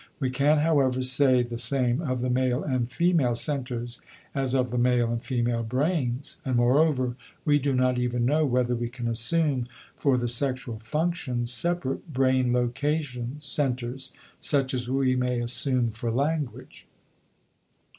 We can, however, say the same of the male and female "centers" as of the male and female brains; and, moreover, we do not even know whether we can assume for the sexual functions separate brain locations ("centers") such as we may assume for language.